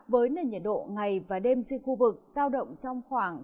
với nền nhiệt độ ngày và đêm trên khu vực sao động trong khoảng